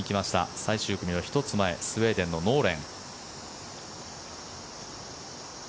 最終組の１つ前スウェーデンのノーレン。